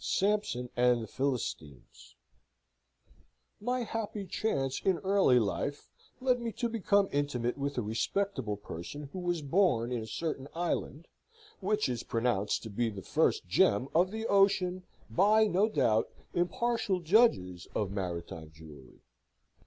Sampson and the Philistines My happy chance in early life led me to become intimate with a respectable person who was born in a certain island, which is pronounced to be the first gem of the ocean by, no doubt, impartial judges of maritime jewellery.